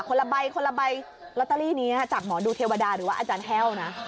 ละใบคนละใบลอตเตอรี่นี้จากหมอดูเทวดาหรือว่าอาจารย์แห้วนะ